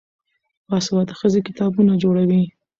باسواده ښځې کتابتونونه جوړوي.